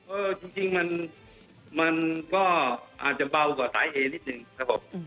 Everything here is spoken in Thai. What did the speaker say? เออจริงมันก็อาจจะเบากว่าสายเอนิดนึงครับผม